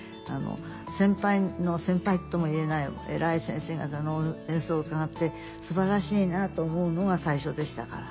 先輩の先輩とも言えない偉い先生方の演奏を伺ってすばらしいなと思うのが最初でしたから。